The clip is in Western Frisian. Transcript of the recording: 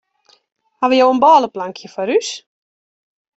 Hawwe jo in bôleplankje foar ús?